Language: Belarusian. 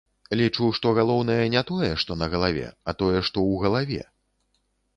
Лічу, што галоўнае не тое, што на галаве, а тое, што ў галаве.